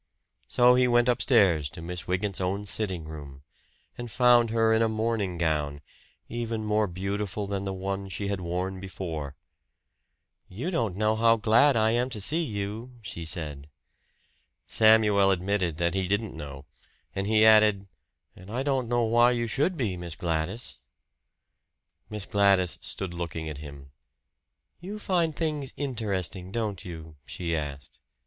So he went upstairs to Miss Wygant's own sitting room, and found her in a morning gown, even more beautiful than the one she had worn before. "You don't know how glad I am to see you," she said. Samuel admitted that he didn't know; and he added, "And I don't know why you should be, Miss Gladys." Miss Gladys stood looking at him. "You find things interesting, don't you?" she asked.